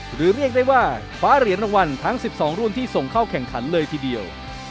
เรียกได้ว่าคว้าเหรียญรางวัลทั้ง๑๒รุ่นที่ส่งเข้าแข่งขันเลยทีเดียว